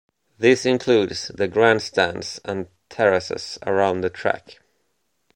This includes the grandstands and terraces around the track.